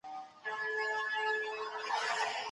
که سياسي ژبه سمه ونه پېژندل سي نو عامه غولونه به رامنځته سي.